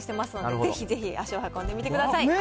ぜひぜひ、足を運んでみてください。